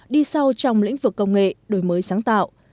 đi sau trong lĩnh vực công nghệ đổi mới sáng tạo